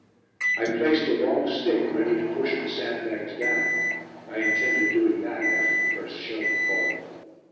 I placed a long stick ready to push the sandbags down. I intended doing that after the first shell had fallen.